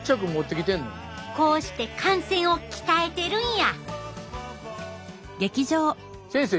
こうして汗腺を鍛えてるんや！